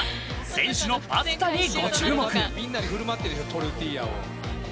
選手のパスタにご注目。